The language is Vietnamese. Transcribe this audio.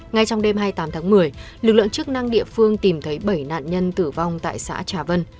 ngay trong đêm hai mươi tám tháng một mươi lực lượng chức năng địa phương tìm thấy bảy nạn nhân tử vong tại xã trà vân